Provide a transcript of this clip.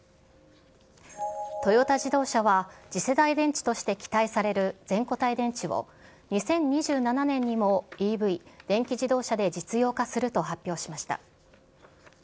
トヨタ自動車は、次世代電池として期待される全固体電池を２０２７年にもＥＶ・電気自動車で実用化すると発表しました。